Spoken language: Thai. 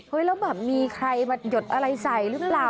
แล้วแบบมีใครมาหยดอะไรใส่หรือเปล่า